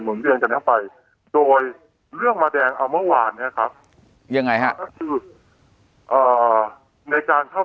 ในช่วงระยะเวลา๑สัปดาห์ที่ผ่านเนี่ย